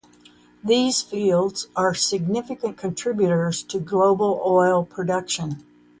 These fields are significant contributors to global oil production.